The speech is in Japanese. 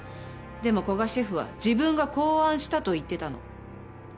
でも古賀シェフは自分が考案したと言ってたの。